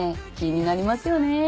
気になりますよね？